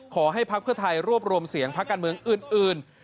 ภักดิ์เพื่อไทยรวบรวมเสียงพักการเมืองอื่น